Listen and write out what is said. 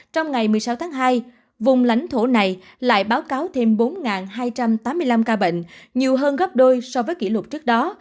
trong ngày một mươi sáu tháng hai vùng lãnh thổ này lại báo cáo thêm bốn hai trăm tám mươi năm ca bệnh nhiều hơn gấp đôi so với kỷ lục trước đó